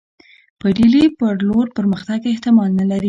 پر ډهلي پر لور پرمختګ احتمال نه لري.